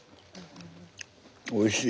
おいしい。